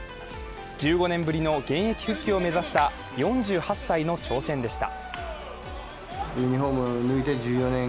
１５年ぶりの現役復帰を目指した４８歳の挑戦でした。